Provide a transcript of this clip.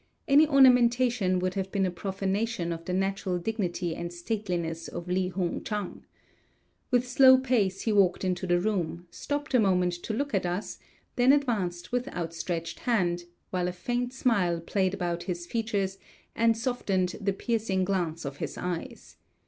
Any ornamentation would have been a profanation of the natural dignity and stateliness of Li Hung Chang. With slow pace he walked into the room, stopped a moment to look at us, then advanced with outstretched hand, while a faint smile played about his features and softened the piercing glance of his eyes.